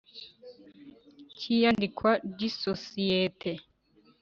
Cy iyandikwa ry isosiyete